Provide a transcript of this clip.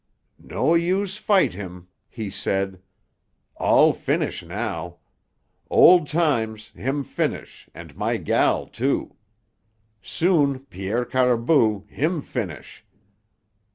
"No use fight him," he said. "All finish now. Old times, him finish, and my gal, too. Soon Pierre Caribou, him finish.